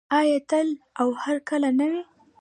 آیا تل او هرکله نه وي؟